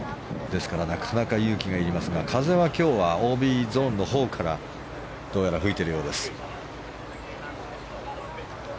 ですから、なかなか勇気がいりますが、風は今日はＯＢゾーンのほうからどうやら吹いているようです。